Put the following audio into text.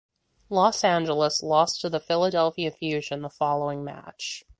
Los Angeles lost to the Philadelphia Fusion the following match.